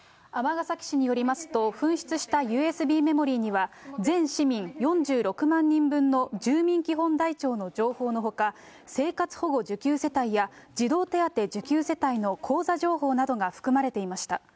尼崎市によりますと、紛失したＵＳＢメモリーには、全市民４６万人分の住民基本台帳の情報のほか、生活保護受給世帯や、児童手当受給世帯の口座情報などが含まれていました。